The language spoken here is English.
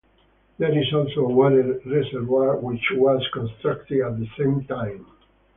There is also a water reservoir which was constructed at the same time.